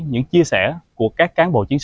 những chia sẻ của các cán bộ chiến binh